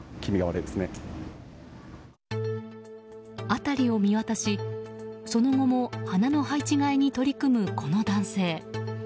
辺りを見渡し、その後も花の配置換えに取り組むこの男性。